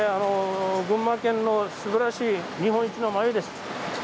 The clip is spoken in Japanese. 群馬県のすばらしい日本一の繭です。